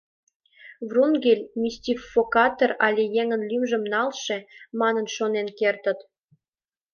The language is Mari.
Врунгель мистификатор але еҥын лӱмжым налше, манын шонен кертыт...